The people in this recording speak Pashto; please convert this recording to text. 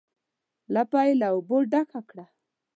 لپه یې له اوبو ډکه کړه.